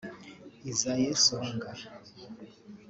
Isaie Songa